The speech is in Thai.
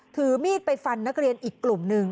ถือมีดไปฟันนักเรียนอีกกลุ่มหนึ่ง